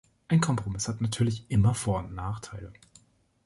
Ein Kompromiss hat natürlich immer Vor- und Nachteile.